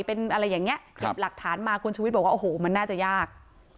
เป็นอะไรอย่างนี้เก็บหลักฐานมาคุณชุวิตบอกว่าโอ้โหมันน่าจะยาก